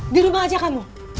di rumah aja kamu